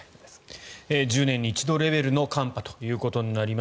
１０年に一度レベルの寒波ということになります。